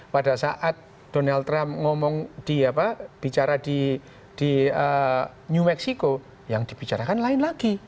pada saat donald trump ngomong bicara di new mexico yang dibicarakan lain lagi